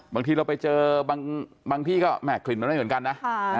บางทีเราไปเจอบางที่ก็แหม่กลิ่นมันไม่เหมือนกันนะ